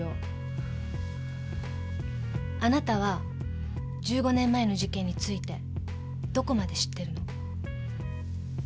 あなたは１５年前の事件についてどこまで知ってるの？